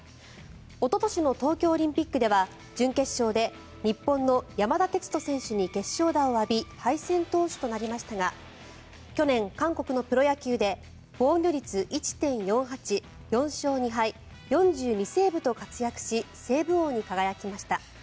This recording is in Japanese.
おととしの東京オリンピックでは準決勝で日本の山田哲人選手に決勝打を浴び敗戦投手となりましたが去年、韓国のプロ野球で防御率１．４８、４勝２敗４２セーブと活躍しセーブ王に輝きました。